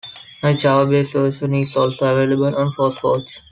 A Java-based version is also available on SourceForge.